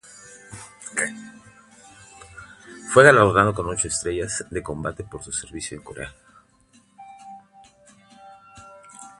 Fue galardonado con ocho estrellas de combate por su servicio en Corea.